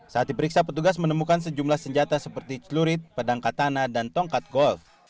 saat diperiksa petugas menemukan sejumlah senjata seperti celurit pedang katana dan tongkat golf